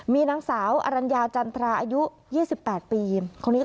มีนางสาวอรัญญาจันทราอายุ๒๘ปีคนนี้